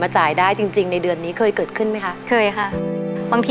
ใช่ค่ะ